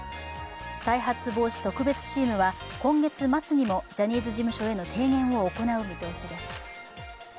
再発防止特別チームは今月末にもジャニーズ事務所への提言を行う予定です。